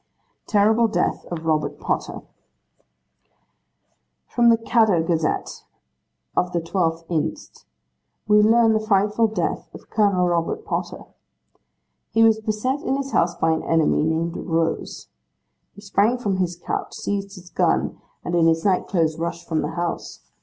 'Terrible Death of Robert Potter. 'From the "Caddo Gazette," of the 12th inst., we learn the frightful death of Colonel Robert Potter. ... He was beset in his house by an enemy, named Rose. He sprang from his couch, seized his gun, and, in his night clothes, rushed from the house.